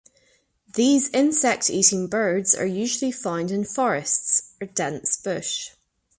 These insect-eating birds are usually found in forests or dense bush.